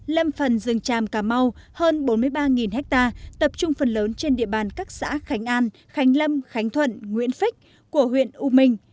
lâm phần rừng tràm cà mau hơn bốn mươi ba ha tập trung phần lớn trên địa bàn các xã khánh an khánh lâm khánh thuận nguyễn phích của huyện u minh